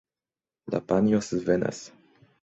La panjo svenas.